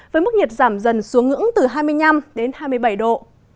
với mức nhiệt giảm dần xuống ngưỡng từ hai mươi năm đến hai mươi bảy độ